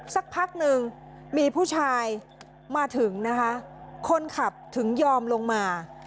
สักพักหนึ่งมีผู้ชายมาถึงนะคะคนขับถึงยอมลงมา